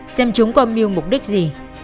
xem chúng có mưu mục đích gì